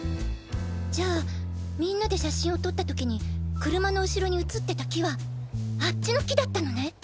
じゃあみんなで写真を撮った時に車の後ろに写ってた木はあっちの木だったのね？